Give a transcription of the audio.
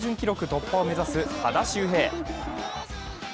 突破を目指す多田修平。